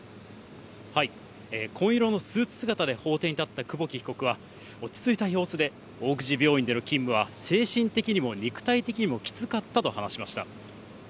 紺色のスーツ姿で法廷に立った久保木被告は落ち着いた様子で大口病院での勤務は精神的にも肉体的にもきつかったと話しました。